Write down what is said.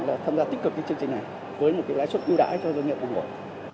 là tham gia tích cực cái chương trình này với một cái lãi suất ưu đãi cho doanh nghiệp thu hồi